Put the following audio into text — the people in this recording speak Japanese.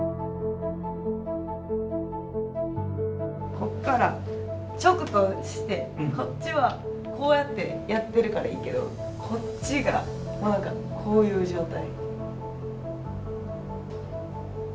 ここからチョクトーしてこっちはこうやってやってるからいいけどこっちがもう何かこういう状態。